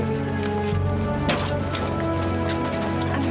eh siapa ma